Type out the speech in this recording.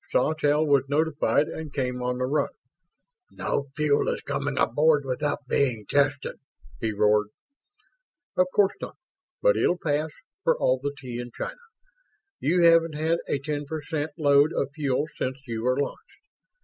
Sawtelle was notified and came on the run. "No fuel is coming aboard without being tested!" he roared. "Of course not. But it'll pass, for all the tea in China. You haven't had a ten per cent load of fuel since you were launched.